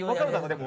でも。